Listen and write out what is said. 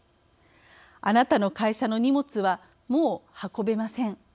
「あなたの会社の荷物はもう運べません」